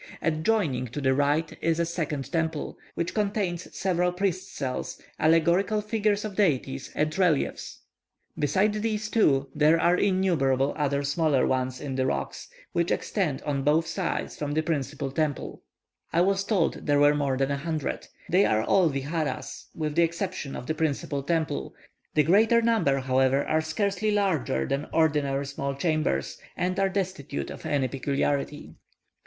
Adjoining to the right is a second temple, which contains several priests' cells, allegorical figures of deities, and reliefs. Besides these two, there are innumerable other smaller ones in the rocks, which extend on both sides from the principal temple; I was told there were more than a hundred. They are all viharas with the exception of the principal temple; the greater number, however, are scarcely larger than ordinary small chambers, and are destitute of any peculiarity.